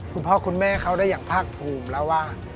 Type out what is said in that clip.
คุณพ่อคุณแม่เขาได้อย่างภาคภูมิแล้วว่า